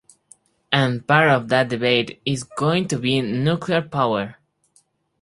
And part of that debate is going to be nuclear power.